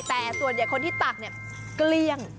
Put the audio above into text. แต่ส่วนใหญ่คนที่ตักเนี่ยเกลี้ยง